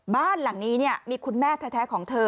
บ้านหลังนี้มีคุณแม่แท้ของเธอ